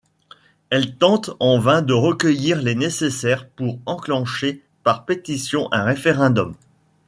Elle tente en vain de recueillir les nécessaires pour enclencher par pétition un référendum.